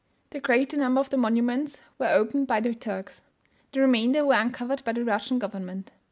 The greater number of the monuments were opened by the Turks; the remainder were uncovered by the Russian government.